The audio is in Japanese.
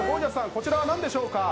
こちらは何でしょうか？